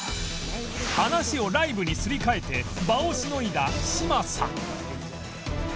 話をライブにすり替えて場をしのいだ嶋佐